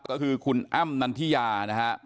ก็คือคุณอ้ำนันทิยานะฮะ